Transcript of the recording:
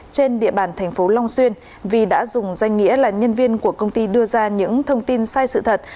trên địa bàn thành phố long xuyên vi đã dùng danh nghĩa là nhân viên của công ty đưa ra những thông tin sai sự thật